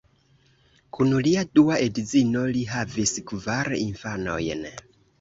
Kun lia dua edzino li havis kvar infanojn.